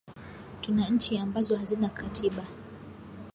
Tuna nchi ambazo hazina katiba